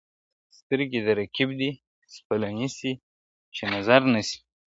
سترګي د رقیب دي سپلنی سي چي نظر نه سي ,